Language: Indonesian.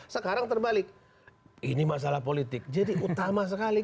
sekarang terbalik ini masalah politik jadi utama sekali